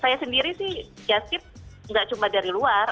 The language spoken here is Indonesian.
saya sendiri sih jasip nggak cuma dari luar